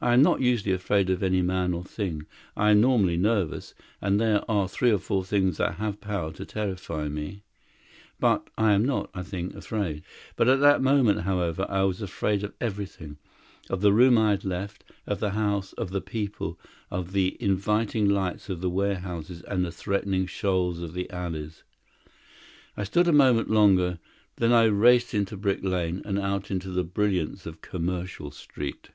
I am not usually afraid of any man or thing. I am normally nervous, and there are three or four things that have power to terrify me. But I am not, I think, afraid. At that moment, however, I was afraid of everything: of the room I had left, of the house, of the people, of the inviting lights of the warehouses and the threatening shoals of the alleys. I stood a moment longer. Then I raced into Brick Lane, and out into the brilliance of Commercial Street.